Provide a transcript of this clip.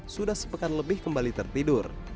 sudah sepekan lebih kembali tertidur